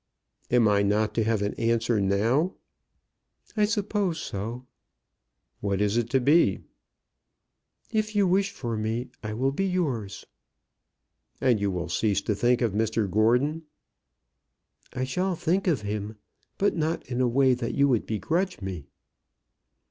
"Am I not to have an answer now?" "I suppose so." "What is it to be?" "If you wish for me, I will be yours." "And you will cease to think of Mr Gordon?" "I shall think of him; but not in a way that you would begrudge me."